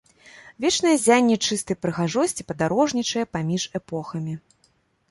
Вечнае ззянне чыстай прыгажосці падарожнічае паміж эпохамі.